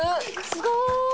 すごーい！